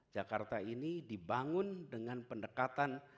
jakarta ini dibangun dengan pendekatan